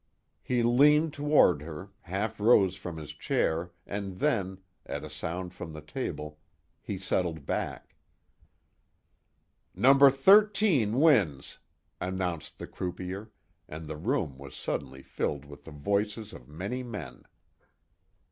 He leaned toward her, half rose from his chair and then, at a sound from the table, he settled back. "Number 13 wins," announced the croupier, and the room was suddenly filled with the voices of many men.